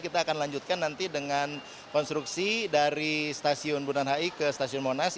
kita akan lanjutkan nanti dengan konstruksi dari stasiun bundaran hi ke stasiun monas